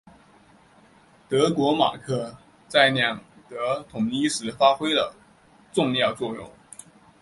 德国马克在两德统一时发挥了重要作用。